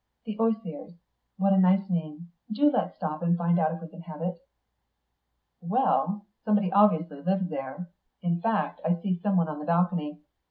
The Osiers. What a nice name. Do let's stop and find out if we can have it." "Well, someone obviously lives there; in fact, I see someone on the balcony.